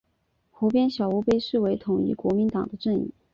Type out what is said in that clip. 湖边小屋被视为统一国民党的阵营。